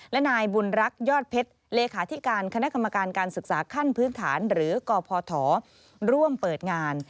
และนายบุญรักษ์ยอดเพชรเลขาธิการคณะกรรมการการศึกษาขั้นพื้นฐานหรือกพทร่วมเปิดงาน